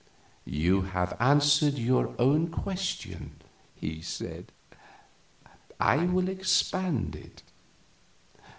"You have answered your own question," he said. "I will expand it.